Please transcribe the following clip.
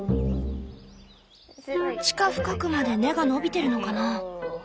地下深くまで根が伸びてるのかな？